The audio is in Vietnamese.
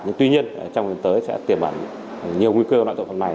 nhưng tuy nhiên trong lần tới sẽ tiềm bản nhiều nguy cơ của loại tội phần này